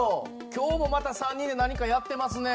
今日もまた３人で何かやってますね？